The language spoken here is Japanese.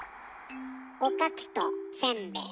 「おかき」と「せんべい」